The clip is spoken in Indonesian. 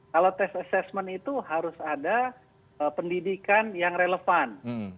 kalau test assessment itu harus ada pendidikan yang relevan